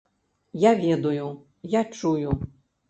Я ведаю, я чую.